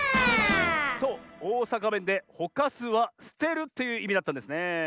そうおおさかべんで「ほかす」は「すてる」といういみだったんですねえ。